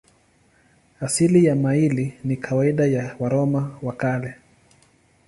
Asili ya maili ni kawaida ya Waroma wa Kale.